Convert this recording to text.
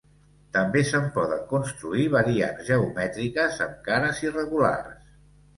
També se'n poden construir variants geomètriques amb cares irregulars.